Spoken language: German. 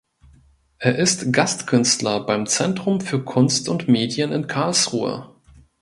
Er ist Gastkünstler beim Zentrum für Kunst und Medien in Karlsruhe.